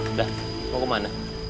udah mau kemana